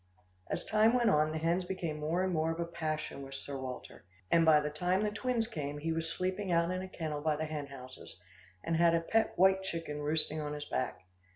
As time went on, the hens became more and more of a passion with Sir Walter, and by the time the twins came he was sleeping out in a kennel by the hen houses, and had a pet white chicken roosting on his back.